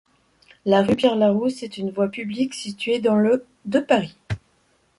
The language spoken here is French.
La rue Pierre-Larousse est une voie publique située dans le de Paris.